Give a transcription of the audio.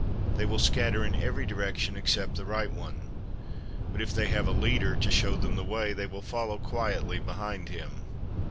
They will scatter in every direction except the right one. But, if they have a leader to show them the way, they will follow quietly behind him.